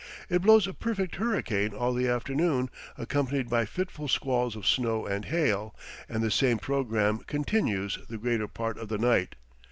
It blows a perfect hurricane all the afternoon, accompanied by fitful squalls of snow and hail, and the same programme continues the greater part of the night.